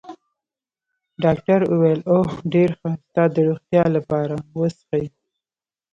ډاکټر وویل: اوه، ډېر ښه، ستا د روغتیا لپاره، و څښئ.